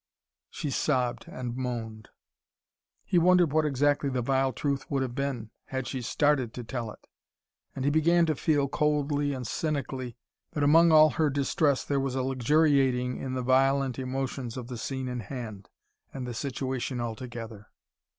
She sobbed and moaned. He wondered what exactly the vile truth would have been, had she started to tell it. And he began to feel, coldly and cynically, that among all her distress there was a luxuriating in the violent emotions of the scene in hand, and the situation altogether.